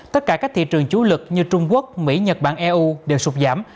tất cả các thị trường chủ lực như trung quốc mỹ nhật bản eu đều sụp giảm